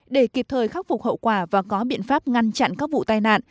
để kịp thời khắc phục hậu quả và có biện pháp ngăn chặn các vụ tai nạn